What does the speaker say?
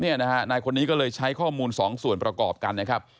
นายคนนี้ก็เลยใช้ข้อมูลสองส่วนประกอบกันนะครับ